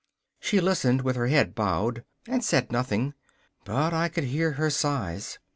She listened with her head bowed, and said nothing, but I could hear her sighs.